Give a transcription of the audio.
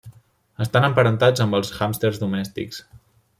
Estan emparentats amb els hàmsters domèstics.